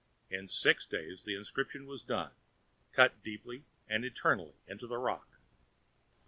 In six days the inscription was done, cut deeply and eternally into the rock.